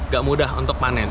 gak mudah untuk panen